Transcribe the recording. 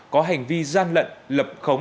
có hành vi gian lận lập khống